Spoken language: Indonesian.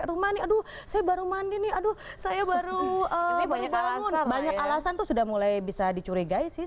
rumah nih aduh saya baru mandi nih aduh saya baru bangun banyak alasan tuh sudah mulai bisa dicurigai sih